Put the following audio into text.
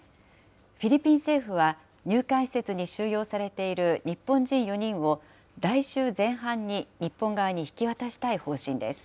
フィリピン政府は入管施設に収容されている日本人４人を、来週前半に日本側に引き渡したい方針です。